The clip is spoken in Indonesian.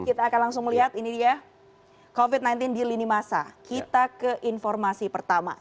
kita akan langsung melihat ini dia covid sembilan belas di lini masa kita ke informasi pertama